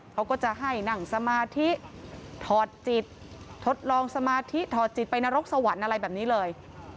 เขาก็จะให้นั่งสมาธิถอดจิตทดลองสมาธิถอดจิตไปนรกสวรรค์อะไรแบบนี้เลย